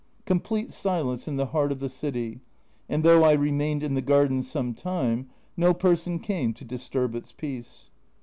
Complete silence in the heart of the city, and though I remained in the garden some time no person came to disturb its peace.